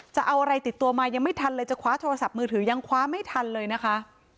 จะเอาอะไรติดตัวมายังไม่ทันเลยจะคว้าโทรศัพท์มือถือยังคว้าไม่ทันเลยนะคะ